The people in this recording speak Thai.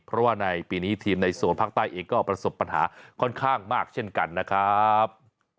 เพราะว่าในปีนี้ทีมในโซนภาคใต้เองก็ประสบปัญหาค่อนข้างมากเช่นกันนะครับ